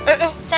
minum dulu ya